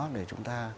để chúng ta